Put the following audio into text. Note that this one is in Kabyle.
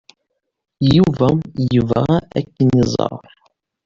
Yuba yebɣa ad ken-iẓer.